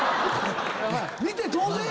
⁉見て当然や！